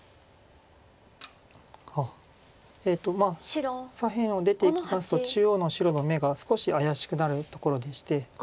あっまあ左辺を出ていきますと中央の白の眼が少し怪しくなるところでして。